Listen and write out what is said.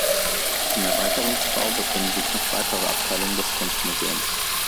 Im Erweiterungsbau befinden sich noch weitere Abteilungen des Kunstmuseums.